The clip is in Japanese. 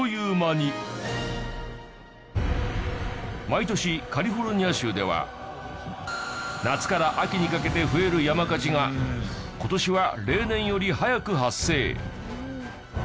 毎年カリフォルニア州では夏から秋にかけて増える山火事が今年は例年より早く発生。